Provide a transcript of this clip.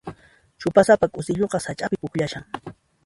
Chupasapa k'usilluqa sach'api pukllashan.